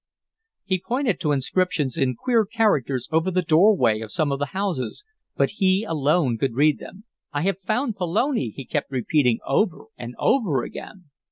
He pointed to inscriptions in queer characters over the doorway of some of the houses, but he alone could read them. "I have found Pelone!" he kept repeating over and over again.